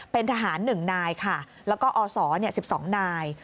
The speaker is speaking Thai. เป็นทหาร๑นายค่ะแล้วก็อศ๑๒นาย